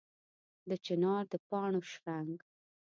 د چنار د پاڼو شرنګ